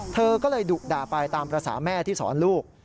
เธอก็เลยดุด่าไปตามภาษาแม่ที่สอนลูก